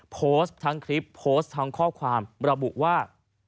โพสต์ทั้งคลิปโพสต์ทั้งข้อความระบุว่า